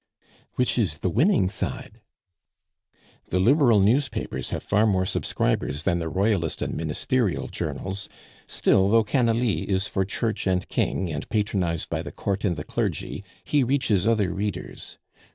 "Which is the winning side?" "The Liberal newspapers have far more subscribers than the Royalist and Ministerial journals; still, though Canalis is for Church and King, and patronized by the Court and the clergy, he reaches other readers.